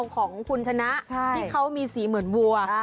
ของคุณชนะที่เขามีสีเหมือนวัว